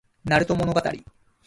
なると物語